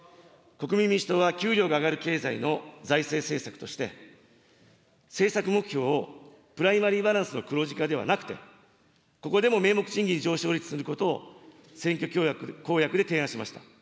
国民民主党は給料が上がる経済の財政政策として、政策目標をプライマリーバランスの黒字化ではなくて、ここでも名目賃金上昇率にすることを選挙公約で提案しました。